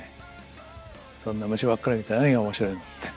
そんな虫ばっかり見て何が面白いのって。